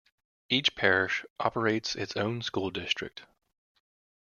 Each parish operates its own school district.